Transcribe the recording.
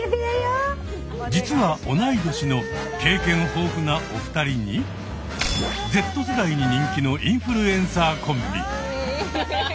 実は同い年の経験豊富なお二人にＺ世代に人気のインフルエンサーコンビ。